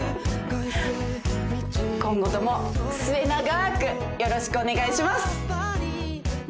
今後とも末永くよろしくお願いします。